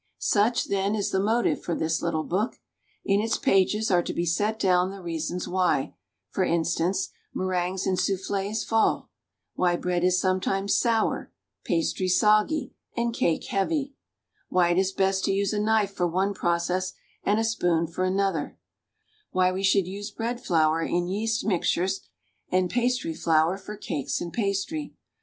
Such, then, is the motive for this little book; in its pages are to be set down the reasons why, for instance, meringues and soufHes fall; why bread is sometimes sour, pastry soggy, and cake heavy; why it is best to use a knife for one process and a spoon for another; why we should use bread flour in yeast mixtures and pastry flour for cakes and pastry.